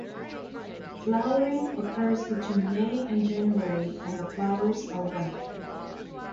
Flowering occurs between May and January and the flowers are white.